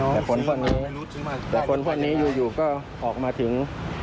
แต่คนพวกนี้แต่คนพวกนี้อยู่ก็ออกมาถึง